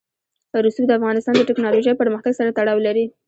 رسوب د افغانستان د تکنالوژۍ پرمختګ سره تړاو لري.